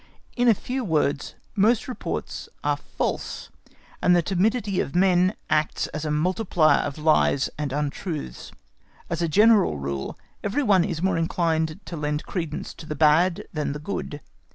In a few words, most reports are false, and the timidity of men acts as a multiplier of lies and untruths. As a general rule, every one is more inclined to lend credence to the bad than the good.